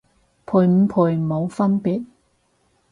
賠唔賠冇分別